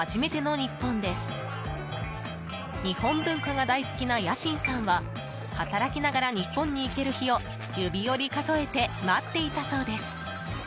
日本文化が大好きなヤシンさんは働きながら日本に行ける日を指折り数えて待っていたそうです。